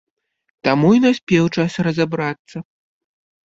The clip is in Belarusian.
Таму і наспеў час разабрацца.